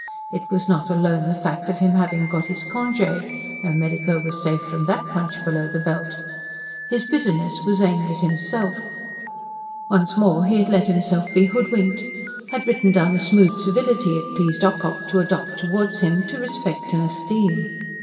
It was not alone the fact of him having got his conge no medico was safe from THAT punch below the belt. His bitterness was aimed at himself. Once more he had let himself be hoodwinked; had written down the smooth civility it pleased Ocock to adopt towards him to respect and esteem.